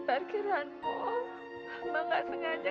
bahkan kamu gak setuju